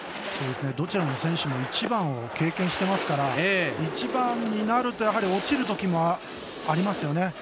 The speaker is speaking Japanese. どちらの選手も一番を経験していますから一番になると落ちるときもありますよね。